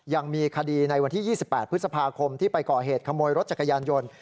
ยังมีคดีในวันที่๒๘พฤษภาคมที่ไปก่อเหตุขโมยรถจักรยานยนต์